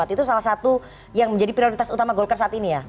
itu salah satu yang menjadi prioritas utama golkar saat ini ya